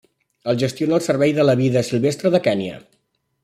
El gestiona el Servei de la Vida Silvestre de Kenya.